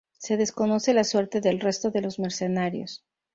Se desconoce la suerte del resto de los mercenarios.